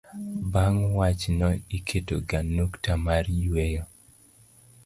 bang' wach no, iketo ga nukta mar yueyo